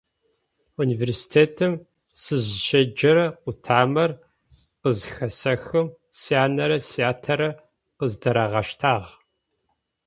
Университетым сызщеджэрэ къутамэр къызхэсэхым, сянэрэ сятэрэ къыздырагъэштагъ.